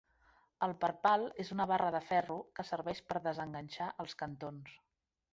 El perpal és una barra de ferro que serveix per desenganxar els cantons.